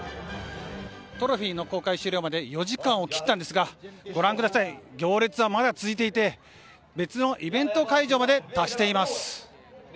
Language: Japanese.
トロフィーの公開終了まで４時間を切ったんですが行列はまだ続いていて別のイベント会場まで達しています。